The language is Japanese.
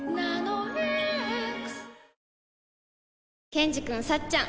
ケンジくんさっちゃん